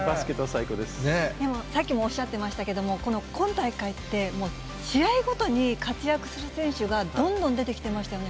でもさっきもおっしゃってましたけど、この今大会って、もう試合ごとに活躍する選手がどんどん出てきてましたよね。